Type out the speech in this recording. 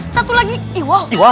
satu lagi iwau